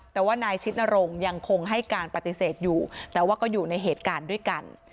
แต่ว่านายชิดนรงค์ยังคงให้การปฏิเสธอยู่แต่ว่าก็อยู่ในเหตุการณ์ด้วยกัน